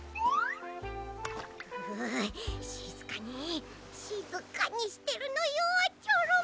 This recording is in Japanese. ううしずかにしずかにしてるのよチョロミー。